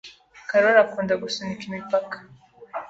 Karoli akunda gusunika imipaka.